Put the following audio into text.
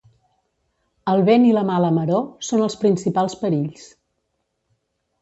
El vent i la mala maror són els principals perills.